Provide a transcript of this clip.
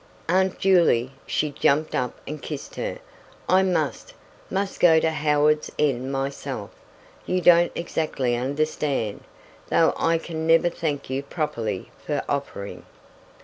"Aunt Juley" she jumped up and kissed her "I must, must go to Howards End myself. You don't exactly understand, though I can never thank you properly for offering."